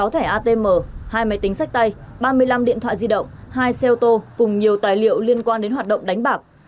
sáu thẻ atm hai máy tính sách tay ba mươi năm điện thoại di động hai xe ô tô cùng nhiều tài liệu liên quan đến hoạt động đánh bạc